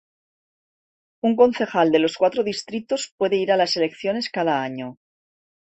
Un concejal de los cuatro distritos puede ir a las elecciones cada año.